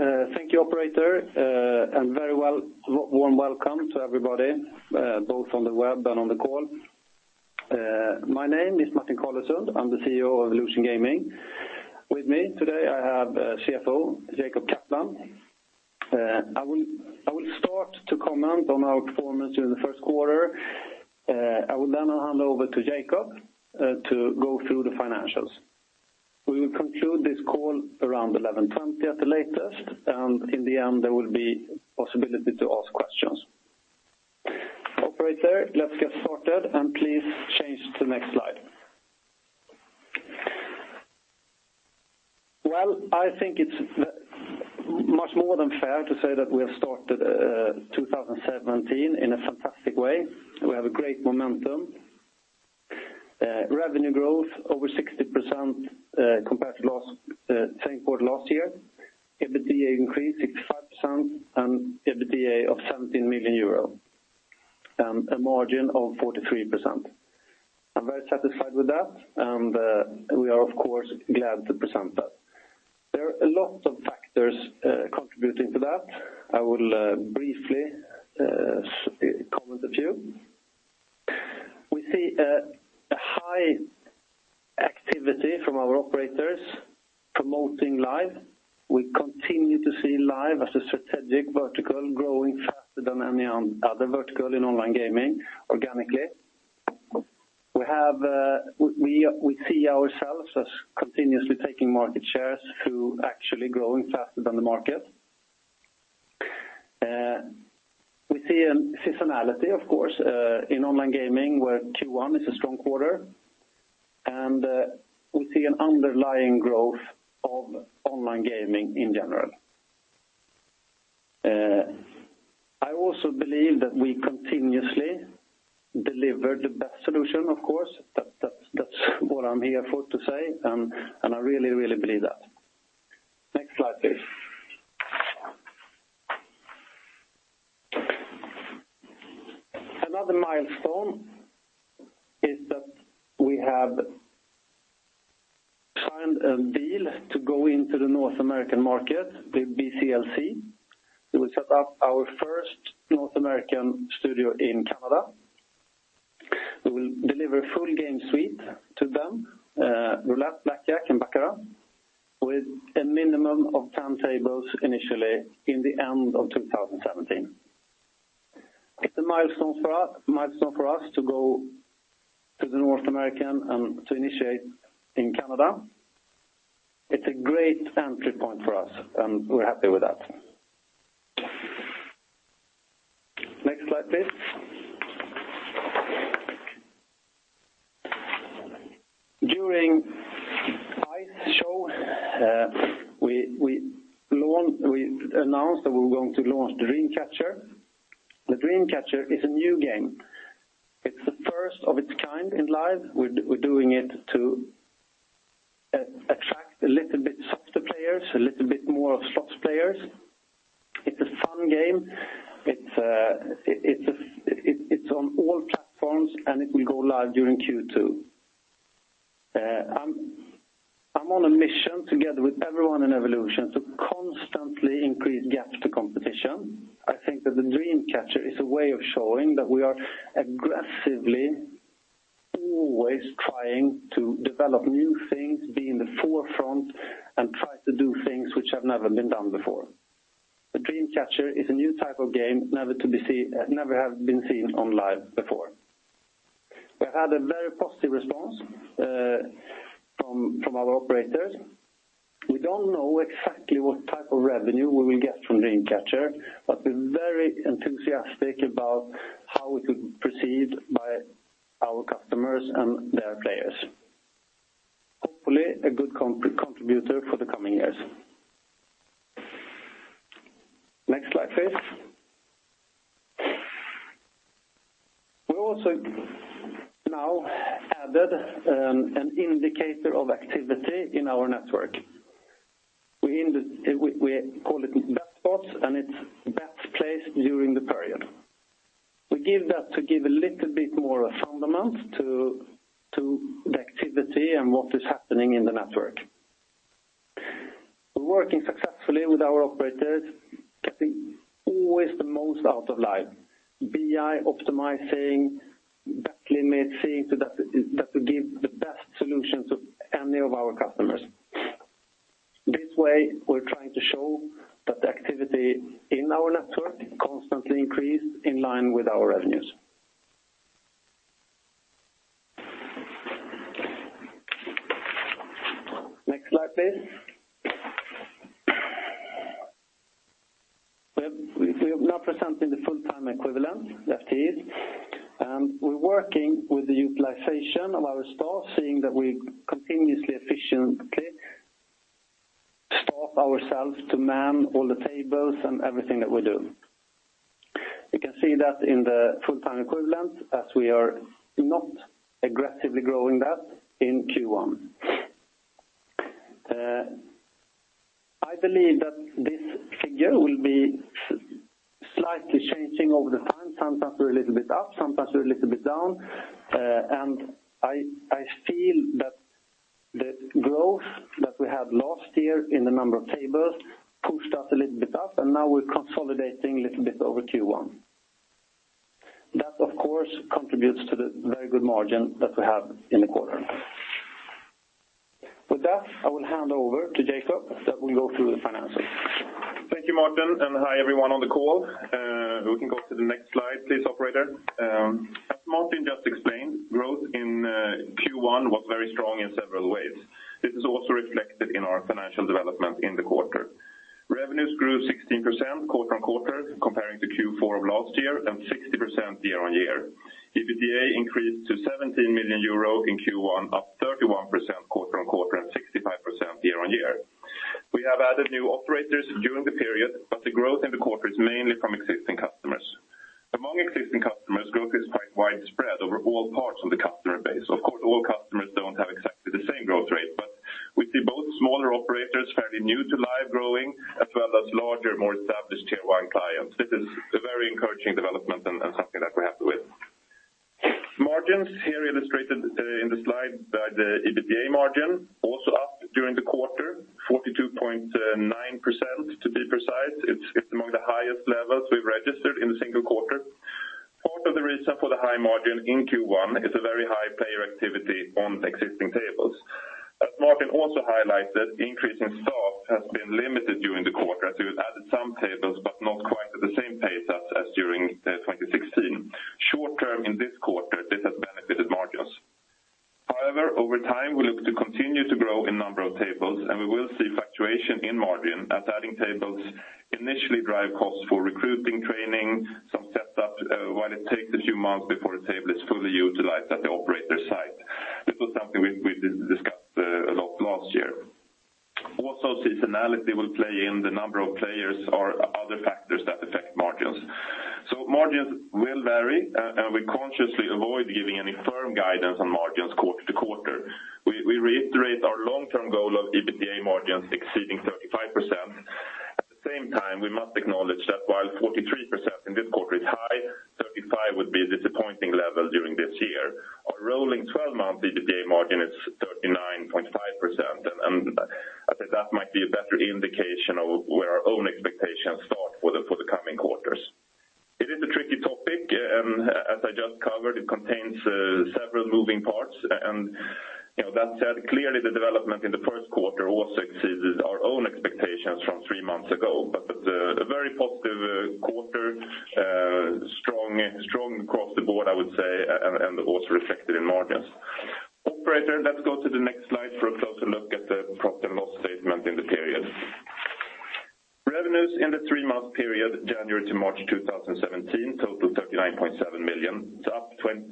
Hello. Thank you operator. Warm welcome to everybody, both on the web and on the call. My name is Martin Carlesund. I'm the CEO of Evolution Gaming. With me today, I have CFO Jacob Kaplan. I will start to comment on our performance during the first quarter. I will hand over to Jacob to go through the financials. We will conclude this call around 11:20 AM at the latest, and in the end, there will be possibility to ask questions. Operator, let's get started and please change to the next slide. Well, I think it's much more than fair to say that we have started 2017 in a fantastic way. We have a great momentum. Revenue growth over 60% compared to last same quarter last year. EBITDA increased 65% and EBITDA of 17 million euro, and a margin of 43%. I'm very satisfied with that, and we are of course glad to present that. There are a lot of factors contributing to that. I will briefly comment a few. We see a high activity from our operators promoting Live. We continue to see Live as a strategic vertical, growing faster than any other vertical in online gaming organically. We have, we see ourselves as continuously taking market shares through actually growing faster than the market. We see a seasonality of course in online gaming, where Q1 is a strong quarter, and we see an underlying growth of online gaming in general. I also believe that we continuously deliver the best solution, of course. That's what I'm here for to say, and I really, really believe that. Next slide, please. Another milestone is that we have signed a deal to go into the North American market with BCLC. We will set up our first North American studio in Canada. We will deliver full game suite to them, roulette, blackjack and baccarat, with a minimum of 10 tables initially in the end of 2017. It's a milestone for us to go to the North American and to initiate in Canada. It's a great entry point for us. We're happy with that. Next slide, please. During ICE, we announced that we were going to launch the Dream Catcher. The Dream Catcher is a new game. It's the first of its kind in Live. We're doing it to attract a little bit softer players, a little bit more of slots players. It's a fun game. It's on all platforms, it will go live during Q2. I'm on a mission together with everyone in Evolution to constantly increase gaps to competition. I think that the Dream Catcher is a way of showing that we are aggressively always trying to develop new things, be in the forefront, and try to do things which have never been done before. The Dream Catcher is a new type of game, never have been seen on Live before. We've had a very positive response from our operators. We don't know exactly what type of revenue we will get from Dream Catcher, but we're very enthusiastic about how it could proceed by our customers and their players. Hopefully, a good contributor for the coming years. Next slide, please. We also now added an indicator of activity in our network. We call it bet spots, and it's bets placed during the period. We give that to give a little bit more fundamentals to the activity and what is happening in the network. We're working successfully with our operators, getting always the most out of Live, by optimizing bet limits, seeing to that will give the best solutions to any of our customers. This way, we're trying to show that the activity in our network constantly increase in line with our revenues. Next slide, please. We're now presenting the full-time equivalent, FTEs. We're working with the utilization of our staff, seeing that we continuously efficiently staff ourselves to man all the tables and everything that we do. You can see that in the full-time equivalent, as we are not aggressively growing that in Q1. I believe that this figure will be over time, sometimes we're a little bit up, sometimes we're a little bit down. I feel that the growth that we had last year in the number of tables pushed us a little bit up, and now we're consolidating a little bit over Q1. That, of course, contributes to the very good margin that we have in the quarter. With that, I will hand over to Jacob that will go through the finances. Thank you, Martin, and hi, everyone on the call. We can go to the next slide, please, operator. As Martin just explained, growth in Q1 was very strong in several ways. This is also reflected in our financial development in the quarter. Revenues grew 16% quarter-on-quarter comparing to Q4 of last year and 60% year-on-year. EBITDA increased to 17 million euro in Q1, up 31% quarter-on-quarter and 65% year-on-year. We have added new operators during the period, but the growth in the quarter is mainly from existing customers. Among existing customers, growth is quite widespread over all parts of the customer base. Of course, all customers don't have exactly the same growth rate, but we see both smaller operators fairly new to live growing, as well as larger, more established tier one clients. This is a very encouraging development and something that we're happy with. Margins here illustrated in the slide by the EBITDA margin, also up during the quarter, 42.9% to be precise. It's among the highest levels we've registered in a single quarter. Part of the reason for the high margin in Q1 is a very high payer activity on existing tables. As Martin also highlighted, increase in staff has been limited during the quarter as we've added some tables, but not quite at the same pace as during 2016. Short-term in this quarter, this has benefited margins. However, over time, we look to continue to grow in number of tables, and we will see fluctuation in margin as adding tables initially drive costs for recruiting, training, some setups, while it takes a few months before the table is fully utilized at the operator site. This was something we discussed a lot last year. Seasonality will play in the number of players or other factors that affect margins. Margins will vary, and we consciously avoid giving any firm guidance on margins quarter to quarter. We reiterate our long-term goal of EBITDA margins exceeding 35%. At the same time, we must acknowledge that while 43% in this quarter is high, 35% would be a disappointing level during this year. Our rolling 12-month EBITDA margin is 39.5%. I think that might be a better indication of where our own expectations start for the coming quarters. It is a tricky topic, as I just covered, it contains several moving parts. You know, that said, clearly the development in the first quarter also exceeded our own expectations from three months ago. A very positive quarter, strong across the board, I would say, and also reflected in margins. Operator, let's go to the next slide for a closer look at the profit and loss statement in the period. Revenues in the three-month period, January to March 2017 totaled 39.7 million, up 60%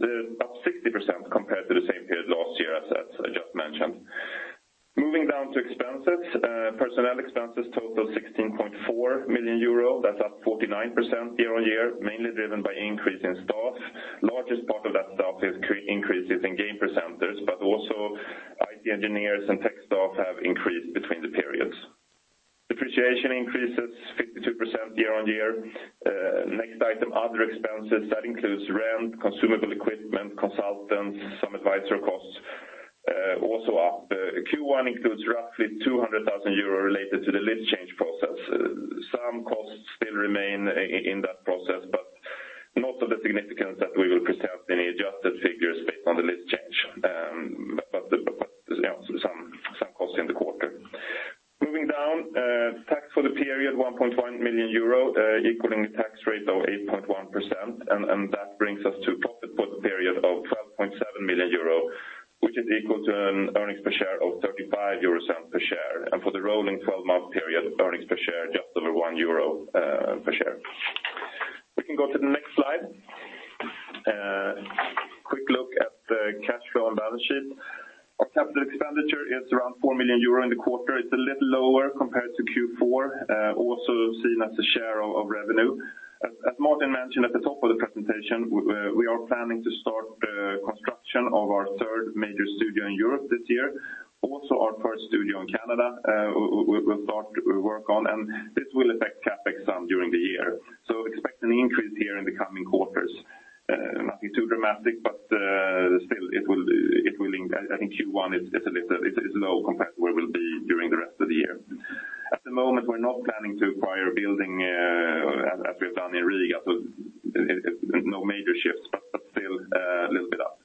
compared to the same period last year as I just mentioned. Moving down to expenses, personnel expenses total 16.4 million euro. That's up 49% year-on-year, mainly driven by increase in staff. Largest part of that staff is increases in game presenters, but also IT engineers and tech staff have increased between the periods. Depreciation increases 52% year-on-year. Next item, other expenses, that includes rent, consumable equipment, consultants, some advisor costs, also up. Q1 includes roughly 200,000 euro related to the list change process. Some costs still remain in that process, not of the significance that we will present any adjusted figures based on the list change. You know, some costs in the quarter. Moving down, tax for the period, 1.1 million euro, equaling a tax rate of 8.1%. That brings us to profit for the period of 12.7 million euro, which is equal to an earnings per share of 0.35 per share. For the rolling 12-month period, earnings per share just over 1 euro per share. We can go to the next slide. Quick look at the cash flow and balance sheet. Our capital expenditure is around 4 million euro in the quarter. It's a little lower compared to Q4, also seen as a share of revenue. As Martin mentioned at the top of the presentation, we are planning to start construction of our third major studio in Europe this year. Also our first studio in Canada, we'll start work on, and this will affect CapEx some during the year. Expect an increase here in the coming quarters. Nothing too dramatic, but still it will I think Q1 is low compared to where we'll be during the rest of the year. At the moment, we're not planning to acquire a building as we've done in Riga. No major shifts, but still a little bit up.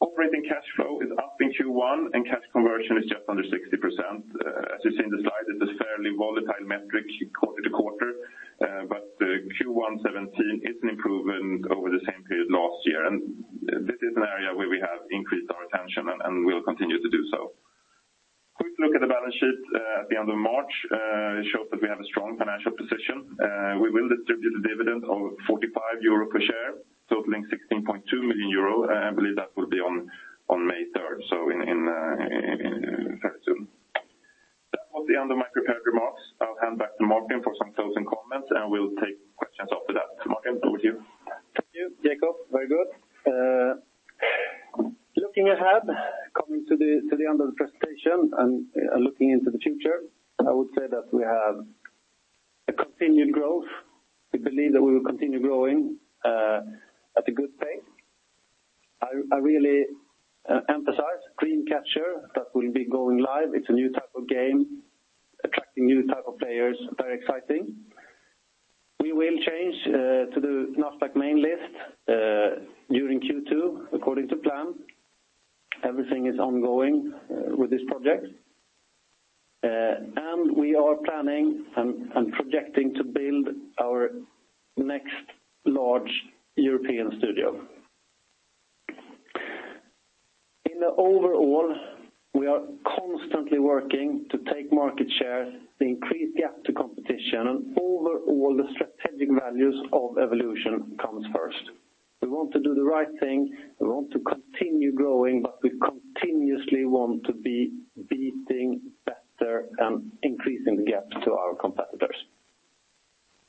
Operating cash flow is up in Q1, and cash conversion is just under 60%. As you see in the slide, it's a fairly volatile metric quarter to quarter. Q1 2017 is an improvement over the same period last year. This is an area where we have increased our attention and will continue to do so. Quick look at the balance sheet at the end of March shows that we have a strong financial position. We will distribute a dividend of 45 euro per share, totaling 16.2 million euro. I believe that will be on May 3rd, so fairly soon. That was the end of my prepared remarks. I'll hand back to Martin for some closing comments, and we'll take questions after that. Martin, over to you. Thank you, Jacob. Very good. Looking ahead, coming to the end of the presentation and looking into the future, I would say that we have a continued growth. We believe that we will continue growing at a good pace. I really emphasize Dream Catcher that will be going live. It's a new type of game, attracting new type of players. Very exciting. We will change to the Nasdaq main list during Q2 according to plan. Everything is ongoing with this project. We are planning and projecting to build our next large European studio. In the overall, we are constantly working to take market share, increase gap to competition, and overall the strategic values of Evolution comes first. We want to do the right thing, we want to continue growing, but we continuously want to be beating better and increasing the gap to our competitors.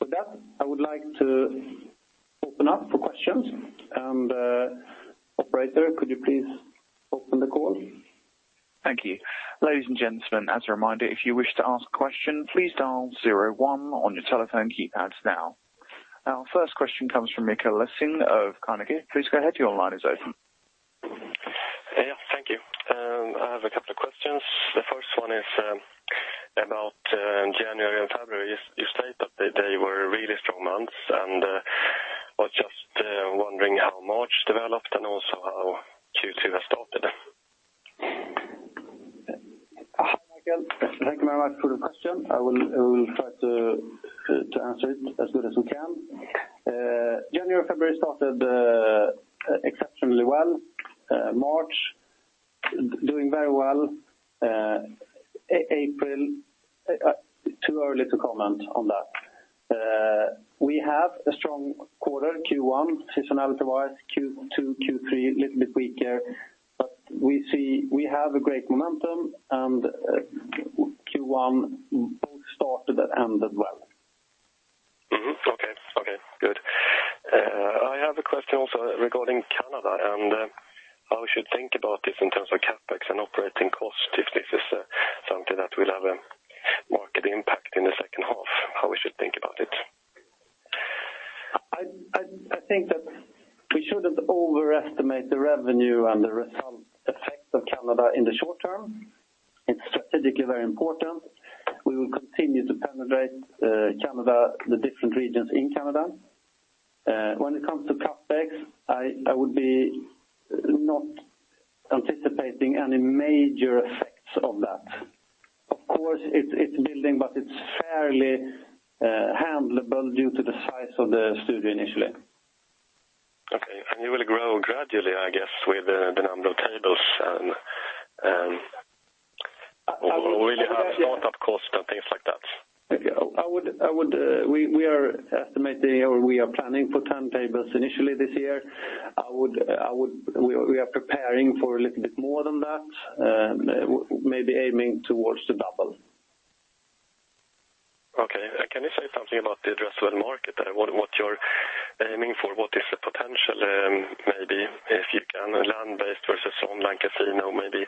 With that, I would like to open up for questions. Operator, could you please open the call? Thank you. Ladies and gentlemen, as a reminder, if you wish to ask a question, please dial zero one on your telephone keypads now. Our first question comes from Mikael Laséen of Carnegie. Please go ahead, your line is open. Yeah, thank you. I have a couple of questions. The first one is about January and February. You state that they were really strong months and I was just wondering how March developed and also how Q2 has started? Hi, Mikael. Thank you very much for the question. I will try to answer it as good as we can. January, February started exceptionally well. March doing very well. April, too early to comment on that. We have a strong quarter Q1 seasonality-wise, Q2, Q3, little bit weaker. We see we have a great momentum, and Q1 both started and ended well. Mm-hmm. Okay, okay, good. I have a question also regarding Canada and, how we should think about this in terms of CapEx and operating costs, if this is something that will have a market impact in the second half, how we should think about it? I think that we shouldn't overestimate the revenue and the result effect of Canada in the short term. It's strategically very important. We will continue to penetrate Canada, the different regions in Canada. When it comes to CapEx, I would be not anticipating any major effects of that. Of course, it's building, but it's fairly handleable due to the size of the studio initially. Okay. You will grow gradually, I guess, with the number of tables. I would- Will you have start-up costs and things like that? We are estimating or we are planning for 10 tables initially this year. We are preparing for a little bit more than that, maybe aiming towards the double. Okay. Can you say something about the addressable market? What you're aiming for? What is the potential, maybe if you can, land-based versus online casino, maybe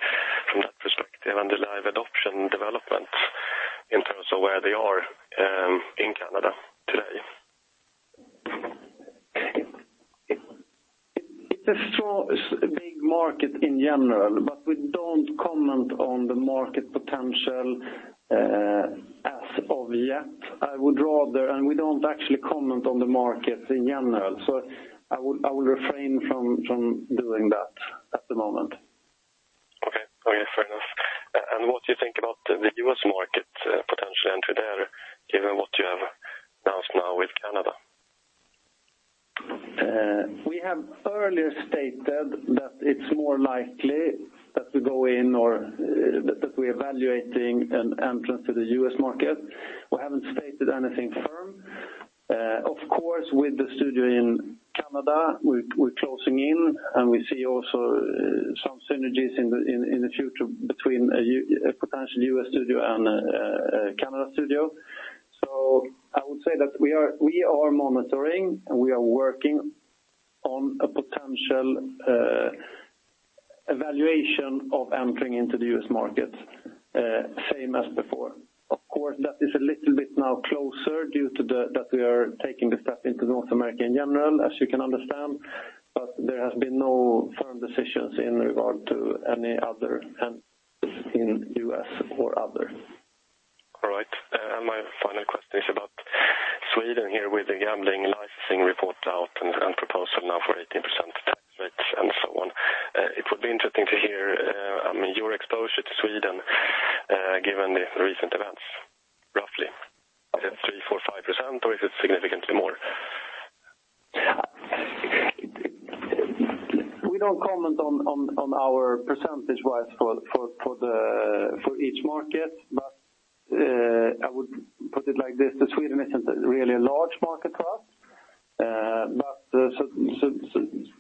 from that perspective, and the live adoption development in terms of where they are in Canada today? It's a strong, big market in general, but we don't comment on the market potential, as of yet. We don't actually comment on the market in general, so I will refrain from doing that at the moment. Okay. Okay, fair enough. What do you think about the U.S. market potential entry there, given what you have announced now with Canada? We have earlier stated that it's more likely that we go in or that we're evaluating an entrance to the U.S. market. We haven't stated anything firm. Of course, with the studio in Canada, we're closing in, and we see also some synergies in the future between a potential U.S. studio and a Canada studio. I would say that we are monitoring, and we are working on a potential evaluation of entering into the U.S. market, same as before. Of course, that is a little bit now closer due to that we are taking the step into North America in general, as you can understand. There has been no firm decisions in regard to any other entries in U.S. or other. All right. My final question is about Sweden here with the gambling licensing report out and proposal now for 18% tax rates and so on. It would be interesting to hear, I mean, your exposure to Sweden, given the recent events, roughly. Is it 3%, 4%, 5%, or is it significantly more? We don't comment on our percentage-wise for each market. I would put it like this, that Sweden isn't really a large market for us. That's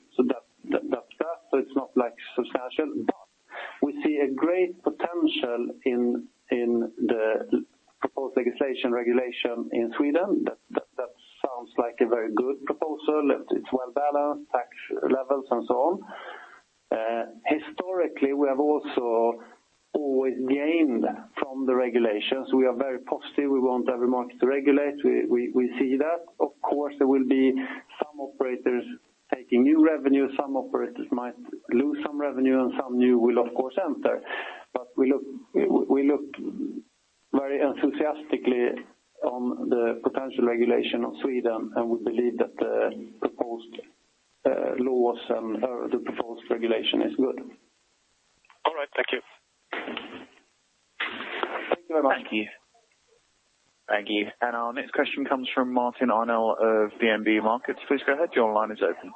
that. We see a great potential in the proposed legislation regulation in Sweden. That sounds like a very good proposal. It's well-balanced tax levels and so on. Historically, we have also always gained from the regulations. We are very positive. We want every market to regulate. We see that. Of course, there will be some operators taking new revenue, some operators might lose some revenue, and some new will of course enter. We look very enthusiastically on the potential regulation of Sweden, and we believe that the proposed laws or the proposed regulation is good. All right. Thank you. You are welcome. Thank you. Our next question comes from Martin Arnell of DNB Markets. Please go ahead. Your line is open.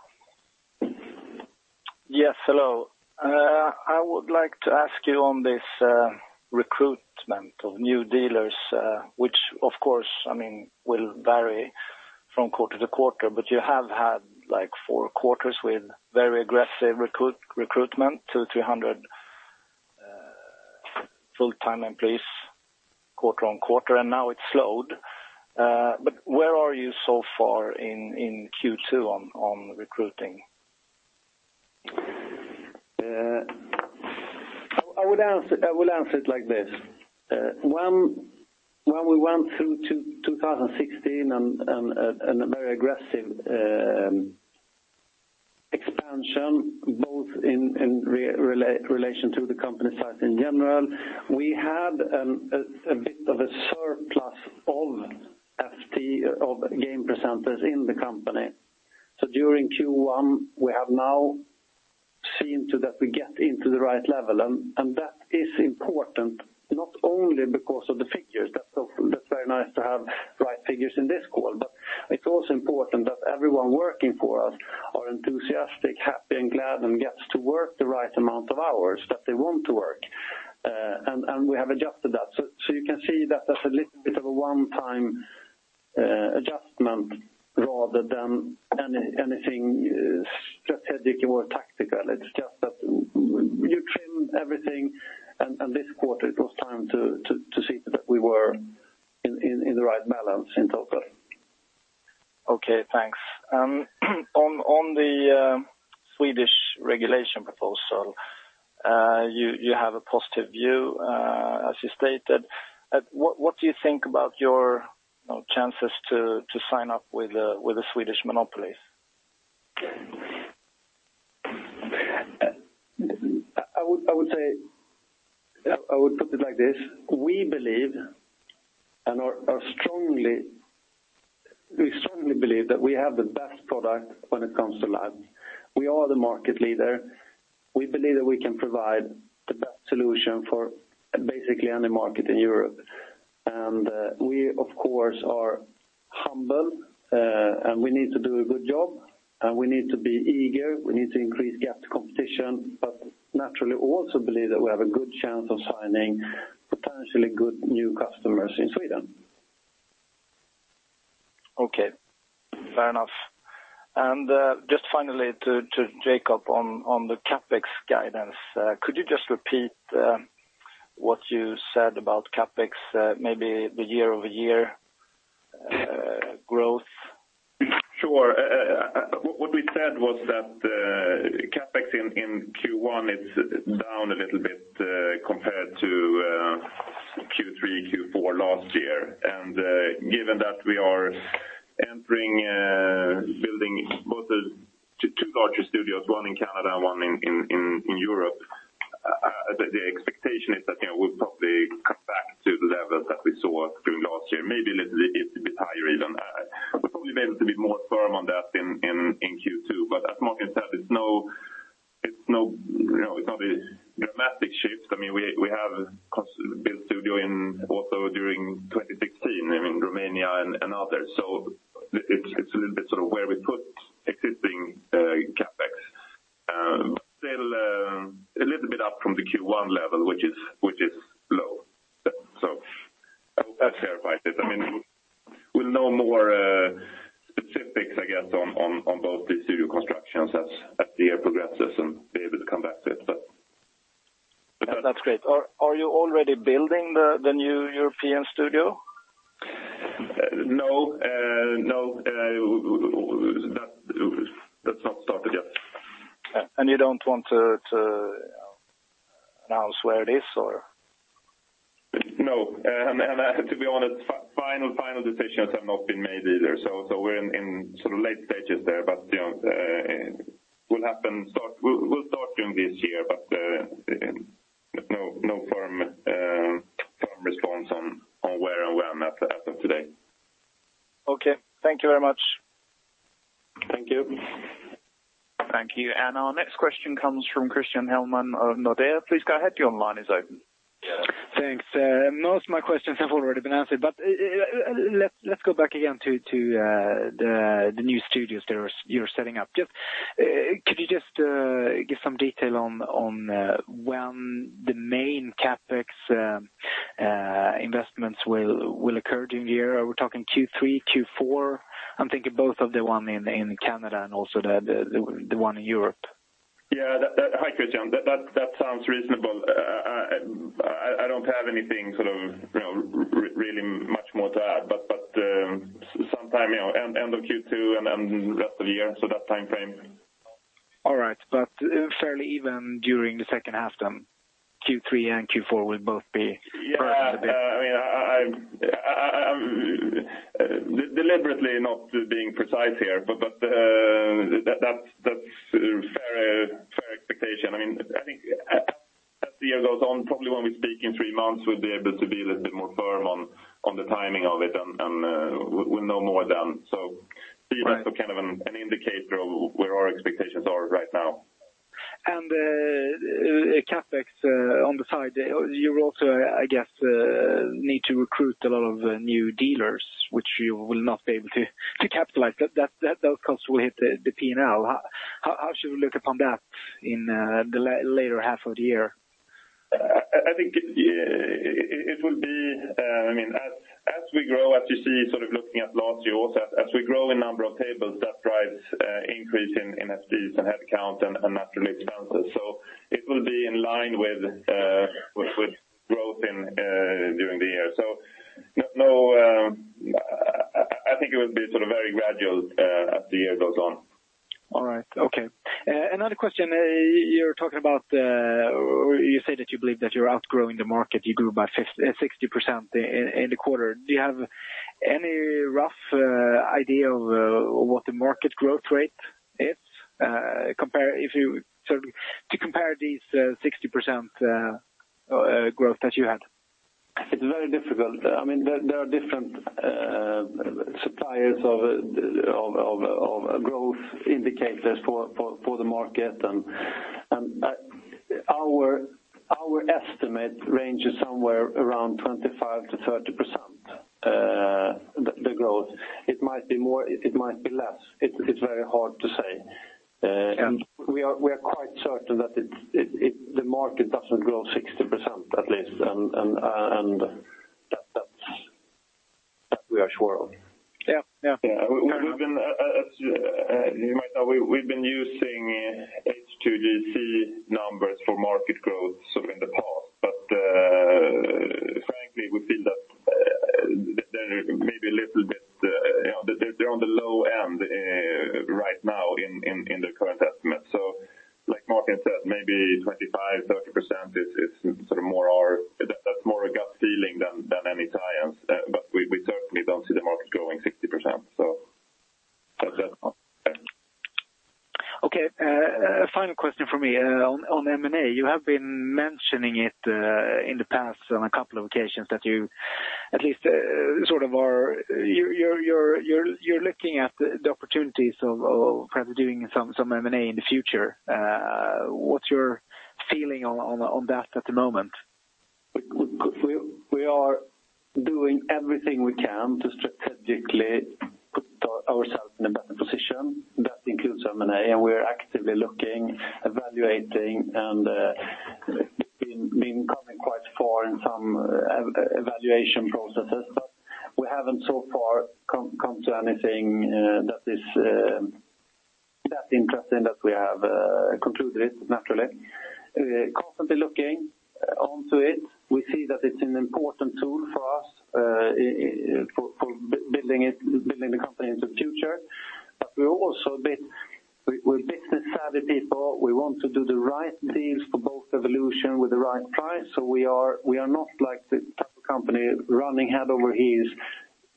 Yes, hello. I would like to ask you on this recruitment of new dealers, which of course, I mean, will vary from quarter to quarter. You have had, like, four quarters with very aggressive recruitment, 200-300 full-time employees quarter-on-quarter, and now it's slowed. Where are you so far in Q2 on recruiting? I would answer, I will answer it like this. When we went through 2016 and a very aggressive expansion, both in relation to the company size in general, we had a bit of a surplus of game presenters in the company. During Q1, we have now seen to that we get into the right level. That is important not only because of the figures. That's very nice to have right figures in this call. It's also important that everyone working for us are enthusiastic, happy, and glad, and gets to work the right amount of hours that they want to work. We have adjusted that. You can see that as a little bit of a one-time adjustment rather than anything strategic or tactical. It's just that we trim everything, and this quarter it was time to see that we were in the right balance in total. Okay, thanks. On the Swedish regulation proposal, you have a positive view, as you stated. What do you think about your, you know, chances to sign up with a Swedish monopoly? I would put it like this: We believe and we strongly believe that we have the best product when it comes to Live. We are the market leader. We believe that we can provide the best solution for basically any market in Europe. we of course are humble, and we need to do a good job, and we need to be eager. We need to increase gaps to competition, but naturally also believe that we have a good chance of signing potentially good new customers in Sweden. Okay. Fair enough. Just finally to Jacob on the CapEx guidance. Could you just repeat what you said about CapEx, maybe the year-over-year growth? Sure. What we said was that CapEx in Q1 is down a little bit compared to Q3, Q4 last year. Given that we are entering building both two larger studios, one in Canada and one in Europe, the expectation is that, you know, we'll probably come back to the levels that we saw during last year, maybe a little bit higher even. We'll probably be able to be more firm on that in Q2. As Martin said, it's no, you know, it's not a dramatic shift. I mean, we have built studio in also during 2016 in Romania and others. It's a little bit sort of where we put existing CapEx. Still, a little bit up from the Q1 level, which is low. I hope that clarifies it. I mean, we'll know more specifics, I guess, on both the studio constructions as the year progresses and be able to come back to it. That's great. Are you already building the new European studio? No. No. That's not started yet. You don't want to, you know, announce where it is or? No. To be honest, final decisions have not been made either. We're in sort of late stages there. You know, will happen. We'll start during this year, but no firm response on where and when that'll happen today. Okay. Thank you very much. Thank you. Thank you. Our next question comes from Christian Hellman of Nordea. Please go ahead, your line is open. Thanks. Most of my questions have already been answered, but let's go back again to the new studios you're setting up. Could you just give some detail on when the main CapEx investments will occur during the year? Are we talking Q3, Q4? I'm thinking both of the one in Canada and also the one in Europe. Yeah, that. Hi, Christian. That sounds reasonable. I don't have anything sort of, you know, more to add, but sometime, you know, end of Q2 and rest of the year, so that timeframe. All right. Fairly even during the second half, Q3 and Q4 will both. Yeah. Pretty much the same. I mean, I'm deliberately not being precise here, but that's fair expectation. I mean, I think as the year goes on, probably when we speak in three months, we'll be able to be a little bit more firm on the timing of it and we'll know more then. Right. That's kind of an indicator of where our expectations are right now. CapEx on the side, you also, I guess, need to recruit a lot of new dealers, which you will not be able to capitalize. Those costs will hit the P&L. How should we look upon that in the later half of the year? I think it will be, I mean, as we grow, as you see sort of looking at last year also, as we grow in number of tables, that drives increase in SG&A and head count and naturally expenses. It will be in line with growth during the year. No, I think it will be sort of very gradual as the year goes on. All right. Okay. Another question. You're talking about, or you say that you believe that you're outgrowing the market. You grew by 60% in the quarter. Do you have any rough idea of what the market growth rate is? Compare if you sort of to compare these 60% growth that you had. It's very difficult. I mean, there are different suppliers of growth indicators for the market. Our estimate ranges somewhere around 25%-30% the growth. It might be more, it might be less. It's very hard to say. Yeah. We are quite certain that it's the market doesn't grow 60% at least. That's that we are sure of. Yeah. Yeah. We've been, you might know, we've been using H2GC numbers for market growth, so in the past. Frankly, we feel that they're maybe a little bit, you know, they're on the low end right now in the current estimate. Like Martin said, maybe 25%-30% is sort of more that's more a gut feeling than any science. We certainly don't see the market growing 60%. That's that one. Okay. final question from me on M&A. You have been mentioning it in the past on a couple of occasions that you at least sort of you're looking at the opportunities of perhaps doing some M&A in the future. What's your feeling on, on that at the moment? We are doing everything we can to strategically put ourselves in a better position. That includes M&A. We are actively looking, evaluating and coming quite far in some evaluation processes. We haven't so far come to anything that is that interesting that we have concluded it naturally. Constantly looking onto it. We see that it's an important tool for us for building the company into the future. We're also we're business-savvy people. We want to do the right deals for both Evolution with the right price. We are not like the type of company running head over heels,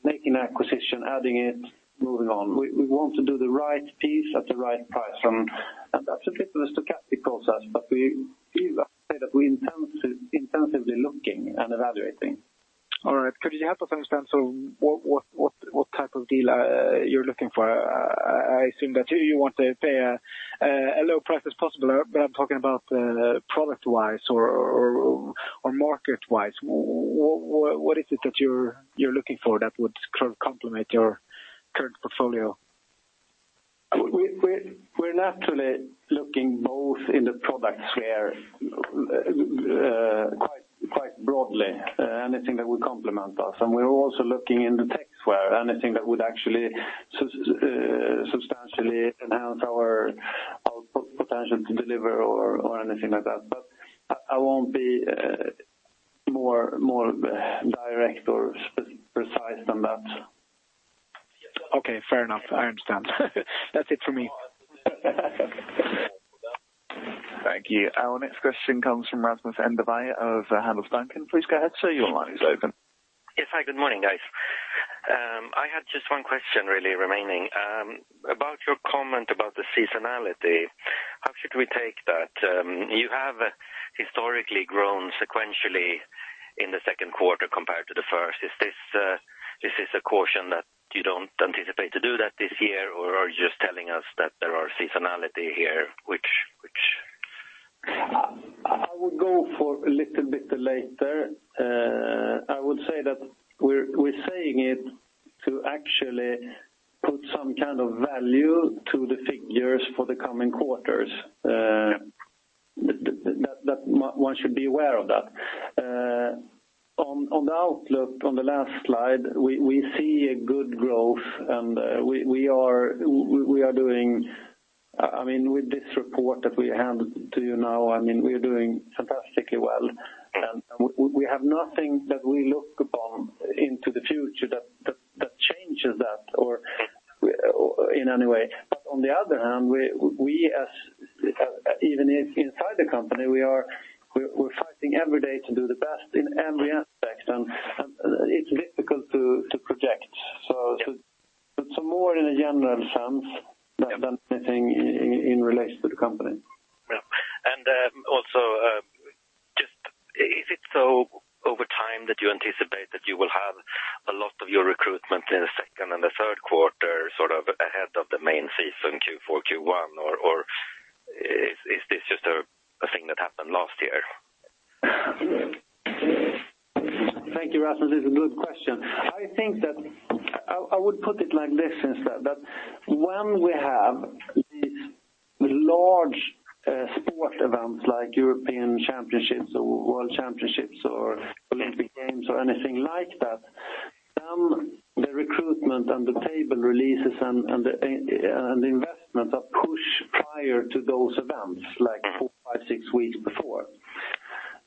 making acquisition, adding it, moving on. We want to do the right piece at the right price. That's a bit of a stochastic process, but we do say that we intensively looking and evaluating. All right. Could you help us understand what type of deal you're looking for? I assume that you want to pay a low price as possible, but I'm talking about product-wise or market-wise. What is it that you're looking for that would co-complement your current portfolio? We're naturally looking both in the product sphere, quite broadly, anything that would complement us. We're also looking in the tech sphere, anything that would actually substantially enhance our potential to deliver or anything like that. I won't be more direct or precise than that. Okay, fair enough. I understand. That's it for me. Thank you. Our next question comes from Rasmus Engberg of Handelsbanken. Please go ahead, sir. Your line is open. Yes. Hi, good morning, guys. I had just one question really remaining. About your comment about the seasonality, how should we take that? You have historically grown sequentially in the second quarter compared to the first. Is this a caution that you don't anticipate to do that this year? Or are you just telling us that there are seasonality here? I would go for a little bit later. I would say that we're saying it to actually put some kind of value to the figures for the coming quarters. That one should be aware of that. On the outlook, on the last slide, we see a good growth, and we are doing, I mean, with this report that we have to you now, I mean, we are doing fantastically well. We have nothing that we look upon into the future that changes that or in any way. On the other hand, we as, even inside the company, we're fighting every day to do the best in every aspect. It's difficult to project it's more in a general sense than anything in relates to the company. Yeah. Also, just is it so over time that you anticipate that you will have a lot of your recruitment in the second and the third quarter sort of ahead of the main season Q4, Q1, or is this just a thing that happened last year? Thank you, Rasmus. It's a good question. I think that I would put it like this instead, that when we have these large sport events like European Championships or World Championships or Olympic Games or anything like that, the recruitment and the table releases and the investments are pushed prior to those events, like four, five, six weeks before.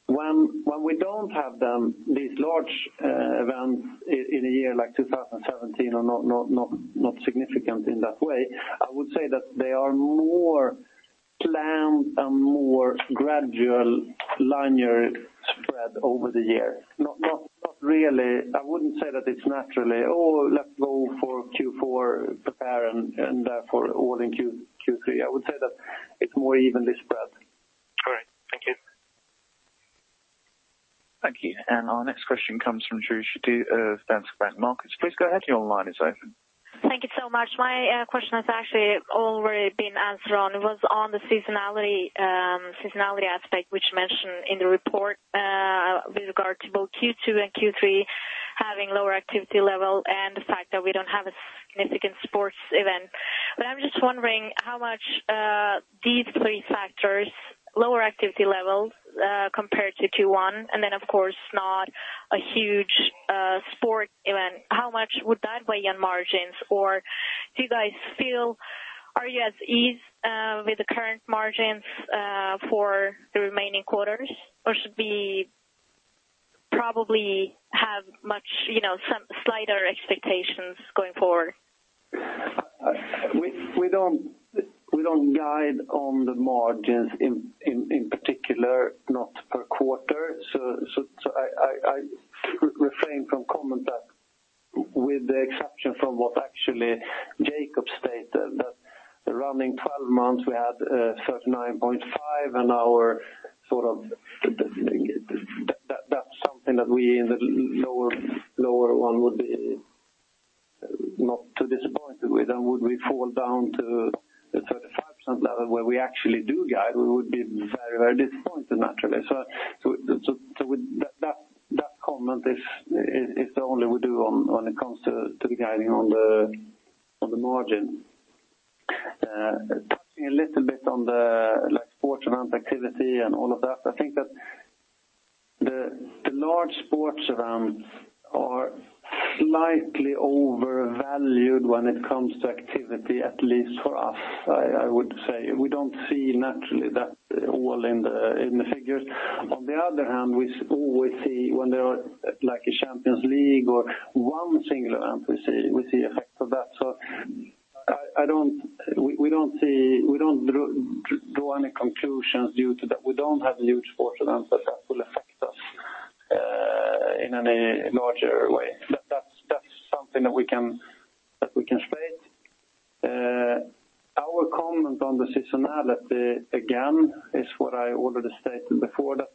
When we don't have them, these large events in a year like 2017 are not significant in that way, I would say that they are more planned and more gradual linear spread over the year. Not really. I wouldn't say that it's naturally, "Oh, let's go for Q4 prepare and for all in Q3." I would say that it's more evenly spread. All right. Thank you. Thank you. Our next question comes from [Judy Shadi] of Danske Bank Markets. Please go ahead, your line is open. Thank you so much. My question has actually already been answered on. It was on the seasonality aspect which you mentioned in the report, with regard to both Q2 and Q3 having lower activity level and the fact that we don't have a significant sports event. I'm just wondering how much these three factors, lower activity levels, compared to Q1, and then of course not a huge sport event, how much would that weigh on margins? Do you guys feel, are you at ease with the current margins for the remaining quarters? Should we probably have much, you know, some slighter expectations going forward? We don't guide on the margins in particular, not per quarter. I refrain from comment that with the exception from what actually Jacob stated, that the running 12 months we had 39.5% and our sort of the That's something that we in the lower one would be not too disappointed with. Would we fall down to the 35% level where we actually do guide, we would be very, very disappointed naturally. With that comment is the only we do on when it comes to the guiding on the margin. Touching a little bit on the like sports event activity and all of that, I think that the large sports events are slightly overvalued when it comes to activity, at least for us, I would say. We don't see naturally that all in the figures. On the other hand, we always see when there are like a Champions League or one single event, we see effects of that. We don't draw any conclusions due to that. We don't have huge sports events that will affect us in any larger way. That's something that we can state. Our comment on the seasonality, again, is what I already stated before, that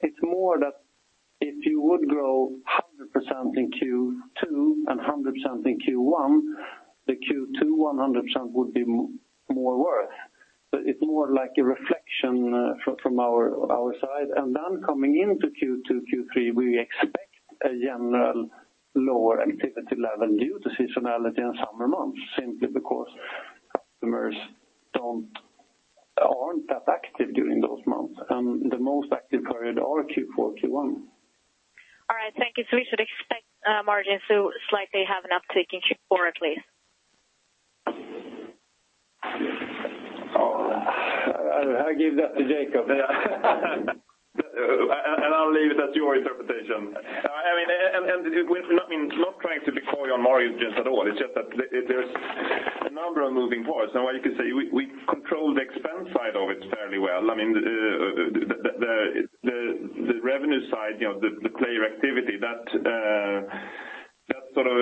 it's more that if you would grow 100% in Q2 and 100% in Q1, the Q2 100% would be more worth. It's more like a reflection from our side. Coming into Q2, Q3, we expect a general lower activity level due to seasonality in summer months, simply because customers aren't that active during those months. The most active period are Q4, Q1. All right. Thank you. We should expect margins to slightly have an uptick in Q4 at least. Oh, I'll give that to Jacob. I'll leave it at your interpretation. I mean, we're not trying to be coy on margins at all. It's just that there's a number of moving parts. What you could say, we control the expense side of it fairly well. I mean, the revenue side, you know, the player activity, that's sort of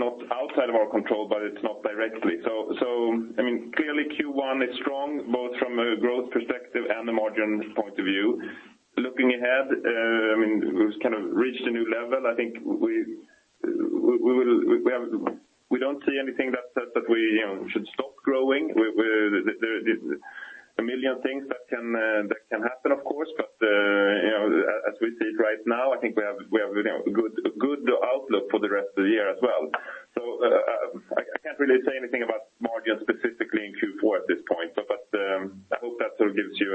not outside of our control, but it's not directly. I mean, clearly Q1 is strong, both from a growth perspective and a margin point of view. Looking ahead, I mean, we've kind of reached a new level. I think we don't see anything that we, you know, should stop growing. There's a million things that can happen, of course. You know, as we see it right now, I think we have, you know, good outlook for the rest of the year as well. I can't really say anything about margins specifically in Q4 at this point. I hope that sort of gives you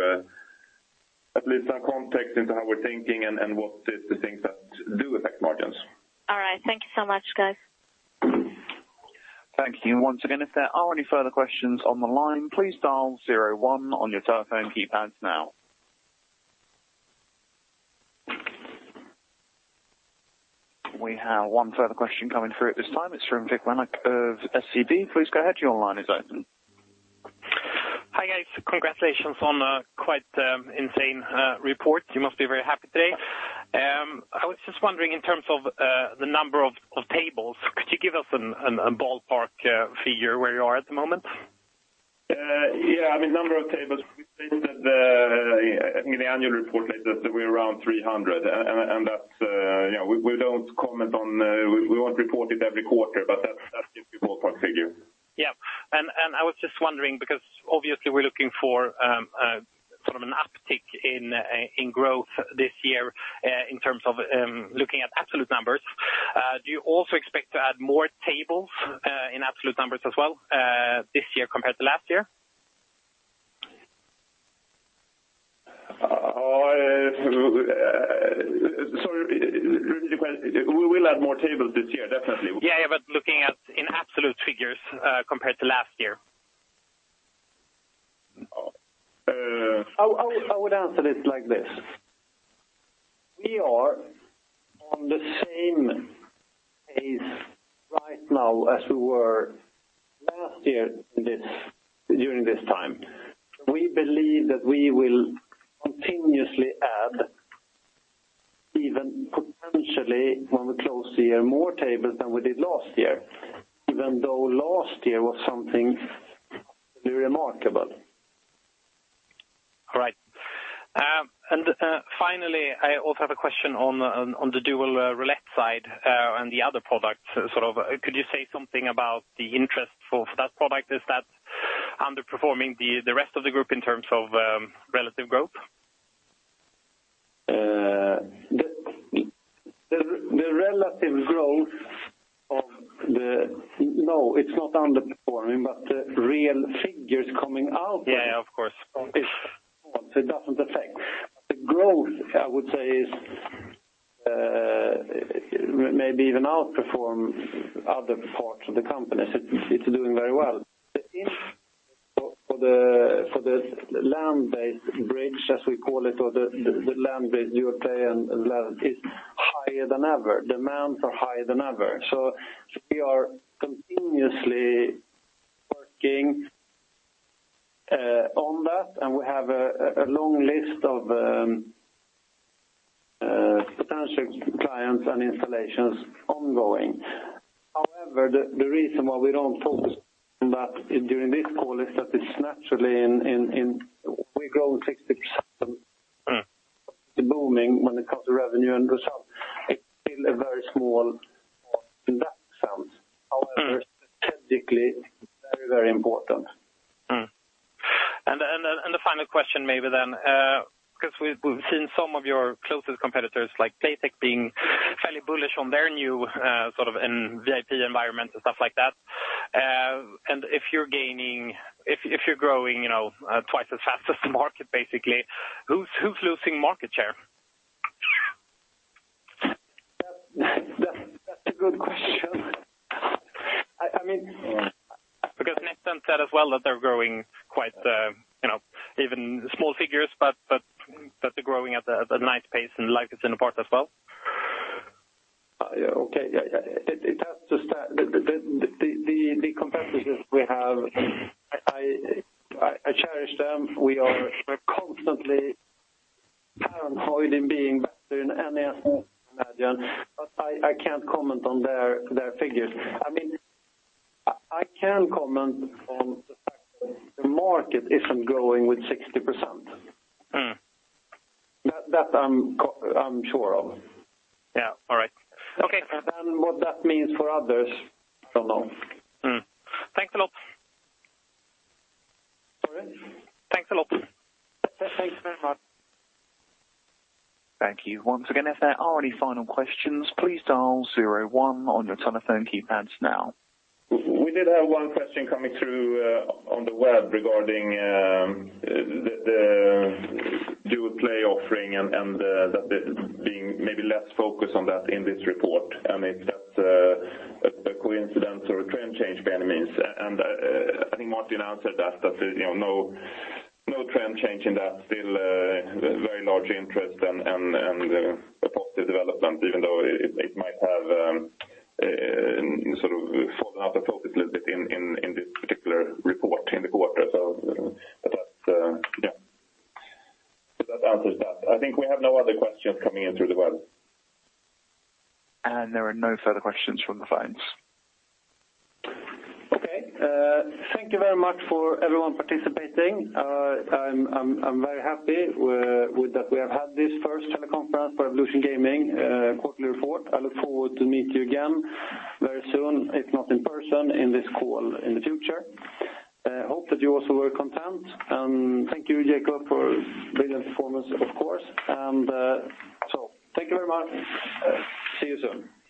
At least some context into how we're thinking and what is the things that do affect margins. All right. Thank you so much, guys. Thank you. Once again, if there are any further questions on the line, please dial zero one on your telephone keypads now. We have one further question coming through at this time. It is from Vic Wanick of SEB. Please go ahead. Your line is open. Hi, guys. Congratulations on a quite insane report. You must be very happy today. I was just wondering in terms of the number of tables, could you give us a ballpark figure where you are at the moment? Yeah, I mean, number of tables, we've stated, I mean, the annual report states that we're around 300. That's, you know, we don't comment on, we won't report it every quarter, but that's the ballpark figure. Yeah. I was just wondering because obviously we're looking for sort of an uptick in growth this year, in terms of looking at absolute numbers. Do you also expect to add more tables in absolute numbers as well this year compared to last year? It really depends. We will add more tables this year, definitely. Yeah. Looking at in absolute figures, compared to last year. Uh- I would answer this like this. We are on the same pace right now as we were last year, during this time. We believe that we will continuously add, even potentially when we close the year, more tables than we did last year, even though last year was something remarkable. All right. Finally, I also have a question on the Dual Roulette side and the other products. Sort of could you say something about the interest for that product? Is that underperforming the rest of the group in terms of relative growth? The relative growth of...No, it's not underperforming. The real figures coming out. Yeah, of course. From this, it doesn't affect. The growth, I would say is maybe even outperform other parts of the company. It's doing very well. For the land-based bridge, as we call it, or the land-based Dual Play and demand is higher than ever. Demands are higher than ever. We are continuously working on that, and we have a long list of potential clients and installations ongoing. However, the reason why we don't focus on that during this call is that it's naturally we're growing 60%. The booming when it comes to revenue and result, it's still a very small in that sense. Strategically, very, very important. The final question maybe then, 'cause we've seen some of your closest competitors like Playtech being fairly bullish on their new sort of in VIP environment and stuff like that. If you're gaining, if you're growing, you know, twice as fast as the market, basically, who's losing market share? That's a good question. I mean. NetEnt said as well that they're growing quite, you know, even small figures, but they're growing at a nice pace and Live is in the part as well. Yeah, okay. It has to. The competitors we have, I cherish them. We are constantly paranoid in being better than any. I can imagine. I can't comment on their figures. I mean, I can comment on the fact that the market isn't growing with 60%. That I'm sure of. Yeah. All right. Okay. What that means for others, I don't know. Thanks a lot. Sorry? Thanks a lot. Thanks very much. Thank you. Once again, if there are any final questions, please dial zero one on your telephone keypads now. We did have one question coming through on the web regarding the Dual Play offering and that being maybe less focused on that in this report, and if that's a coincidence or a trend change by any means. I think Martin answered that there's no trend change in that. Still a very large interest and a positive development, even though it might have sort of fallen out of focus a little bit in this particular report in the quarter. That answers that. I think we have no other questions coming in through the web. There are no further questions from the phones. Okay. Thank you very much for everyone participating. I'm very happy with that we have had this first teleconference for Evolution Gaming quarterly report. I look forward to meet you again very soon, if not in person, in this call in the future. Hope that you also were content. Thank you, Jacob, for brilliant performance, of course. Thank you very much. See you soon.